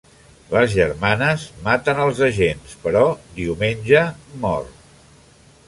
Les germanes maten als agents, però Diumenge mor.